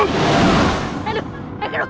aduh eh kenapa nih